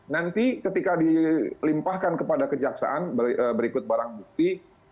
nanti ketika dilimpahkan kepada kejaksaan berikut barang bukti